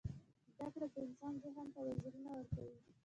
• زده کړه د انسان ذهن ته وزرونه ورکوي.